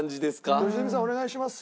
良純さんお願いしますよ。